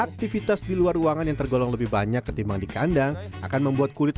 aktivitas di luar ruangan yang tergolong lebih banyak ketimbang di kandang akan membuat kulit